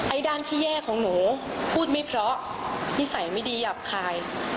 ด้านที่แย่ของหนูพูดไม่เพราะนิสัยไม่ดีหยาบคาย